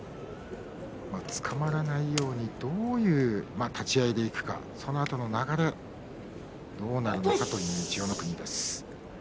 つかまらないようにどういう立ち合いでいくかそのあとの流れどうなるのかという千代の国です。